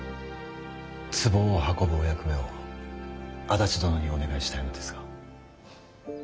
壺を運ぶお役目を安達殿にお願いしたいのですが。